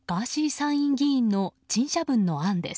参院議員の陳謝文の案です。